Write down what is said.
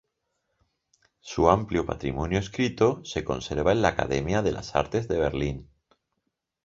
Su amplio patrimonio escrito se conserva en la Academia de las Artes de Berlín.